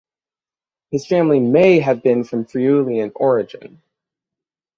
His family may have been of Friulian origin.